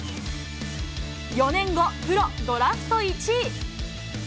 ４年後プロ、ドラフト１位。